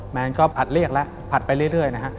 แมนก็ผัดเรียกแล้วผัดไปเรื่อยนะฮะ